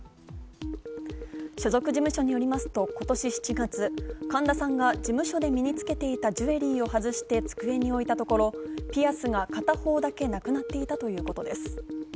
所属事務所によりますと今年７月、神田さんが事務所で身につけていたジュエリーを外して机に置いたところ、ピアスが片方だけなくなっていたということです。